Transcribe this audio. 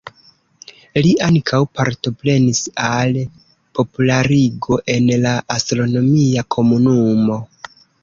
Li ankaŭ partoprenis al popularigo en la astronomia komunumo.